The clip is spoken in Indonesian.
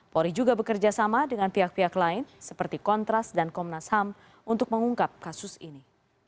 polri juga bekerja sama dengan pihak pihak lain seperti kontras dan komnas ham untuk mengungkap kasus ini